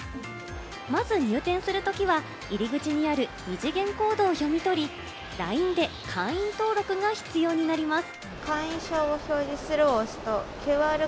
まず入店するときは、入り口にある二次元コードを読み取り、ＬＩＮＥで会員登録が必要になります。